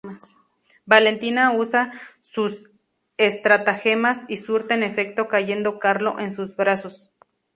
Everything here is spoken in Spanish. Valentina usa sus estratagemas y surten efecto cayendo Carlo en sus brazos.